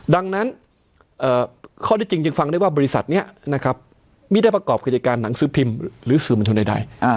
ดังนั้นข้อที่จริงจึงฟังได้ว่าบริษัทนี้นะครับไม่ได้ประกอบกิจการหนังสือพิมพ์หรือสื่อมวลชนใด